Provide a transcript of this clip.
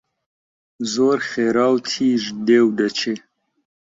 زۆر خێرا و تیژ دێ و دەچێ